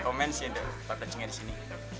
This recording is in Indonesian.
komen sih tap docingnya di sini